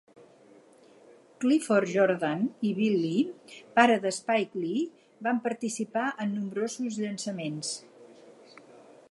Clifford Jordan i Bill Lee, pare de Spike Lee, van participar en nombrosos llançaments.